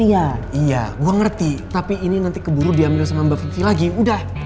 iya gua ngerti tapi ini nanti keburu diambil sama mbak vivi lagi udah